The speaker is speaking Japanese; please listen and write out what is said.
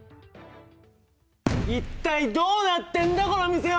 一体どうなってんだ、この店は！